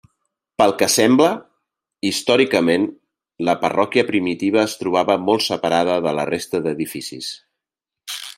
Pel que sembla, històricament, la parròquia primitiva es trobava molt separada de la resta d'edificis.